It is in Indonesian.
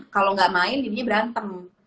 kalo gak main jadinya berantem